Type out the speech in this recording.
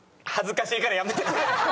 恥ずかしいからやめて。